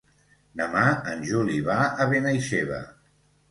Demà en Juli va a Benaixeve.